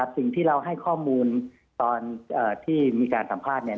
สิ่งที่เราให้ข้อมูลตอนที่มีการสัมภาษณ์เนี่ย